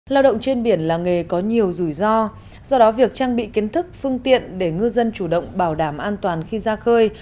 lao động trên biển là nghề có nhiều rủi ro do đó việc trang bị kiến thức phương tiện để ngư dân chủ động bảo đảm an toàn khi ra khơi